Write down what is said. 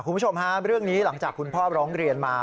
คุณผู้ชมฮะเรื่องนี้หลังจากคุณพ่อร้องเรียนมา